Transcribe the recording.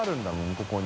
ここに。